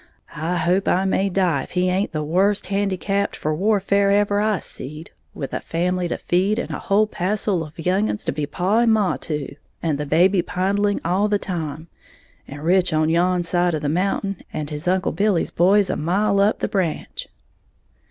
I hope I may die if he haint the worst handicapped for warfare ever I seed, with a family to feed, and a whole passel of young uns to be paw and maw to, and the babe pindling all the time, and Rich on yan side the mountain, and his uncle Billy's boys a mile up the branch."